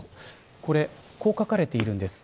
こう書かれているんです。